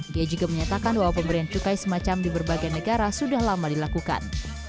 dia juga menyatakan bahwa pemberian cukai semacam di berbagai negara sudah lama dilakukan